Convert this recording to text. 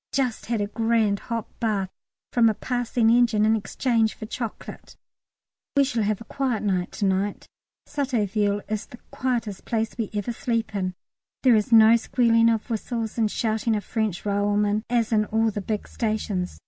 Just had a grand hot bath from a passing engine in exchange for chocolate. We shall have a quiet night to night. Sotteville is the quietest place we ever sleep in; there is no squealing of whistles and shouting of French railwaymen as in all the big stations.